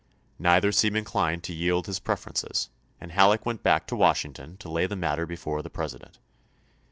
Neither seemed inclined to yield his preferences, and Halleck went back to Washington to lay the matter before the President.